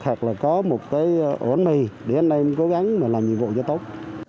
hoặc là có một cái ổ ăn mì để anh em cố gắng mà làm nhiệm vụ cho tốt